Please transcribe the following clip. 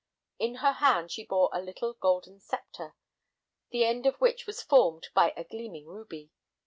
In her hand she bore a little golden scepter, the end of which was formed by a gleaming ruby.